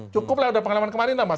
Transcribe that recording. cukup lah udah pengalaman kemarin lah mas